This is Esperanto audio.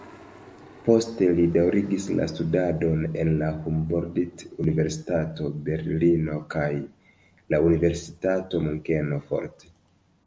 Poste li daŭrigis la studadon en la Humboldt-universitato Berlino kaj la universitato Munkeno fort.